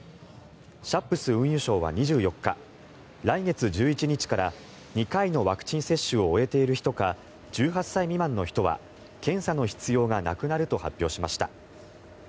シャップス運輸相は２４日来月１１日から２回のワクチン接種を終えている人か１８歳未満の人は検査の必要がなくなると発表しました。